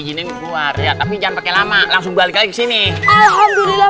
gini keluar ya tapi jangan pakai lama langsung balik lagi ke sini alhamdulillah